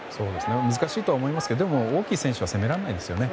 難しいとは思いますけどでも、オーキー選手は責められないですよね。